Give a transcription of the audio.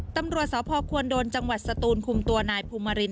ตำรวจสพควนโดนจังหวัดสตูนคุมตัวนายภูมิมาริน